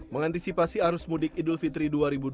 mengantisipasi arus mudik idul fitri dua ribu dua puluh empat